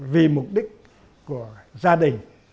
vì mục đích của gia đình